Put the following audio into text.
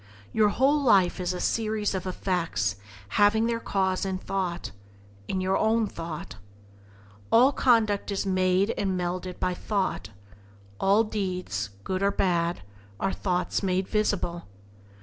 Your whole life is a series of effects having their cause in thought — in your own thought. All conduct is made and melded by thought; all deeds, good or bad, are thoughts made visible.